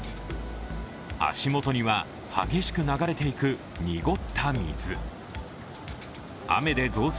足元には、激しく流れていく濁った水。